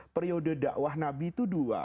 periode dakwah nabi itu dua